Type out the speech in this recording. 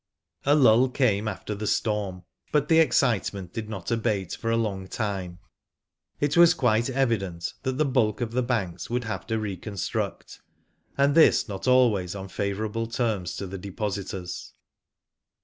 A lull came after the storm, but the excitement did not abate for a long time. It was quite evident that the bulk of* the banks would have to reconstruct, and this not always on favourable terms to the depositors.